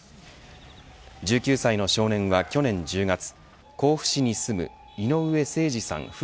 １９歳の少年は去年１０月甲府市に住む井上盛司さん